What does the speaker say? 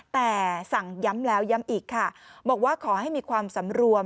แต่สั่งย้ำแล้วย้ำอีกค่ะบอกว่าขอให้มีความสำรวม